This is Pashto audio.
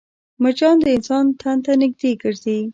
مچان د انسان تن ته نږدې ګرځي